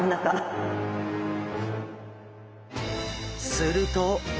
すると。